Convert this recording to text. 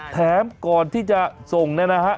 แถมก่อนที่จะส่งนะฮะ